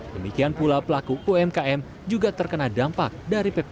demikian pula pelaku umkm juga terkena dampak dari ppkm